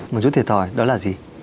một chút thiệt hỏi đó là gì